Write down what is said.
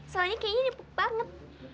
soalnya kayaknya nepek banget